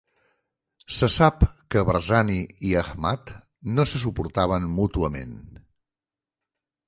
Se sap que Barzani i Ahmad no se suportaven mútuament.